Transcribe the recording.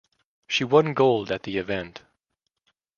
She won gold at the event.